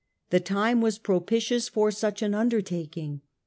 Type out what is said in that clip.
The time was propitious for such an undertaking.